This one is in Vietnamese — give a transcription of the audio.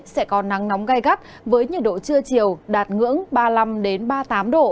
sẽ có nắng nóng gai gắt với nhiệt độ trưa chiều đạt ngưỡng ba mươi năm ba mươi tám độ